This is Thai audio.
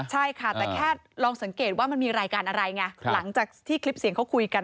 ใช่ค่ะแต่แค่ลองสังเกตว่ามันมีรายการอะไรไงหลังจากที่คลิปเสียงเขาคุยกัน